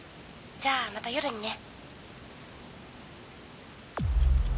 じゃあまた夜にね。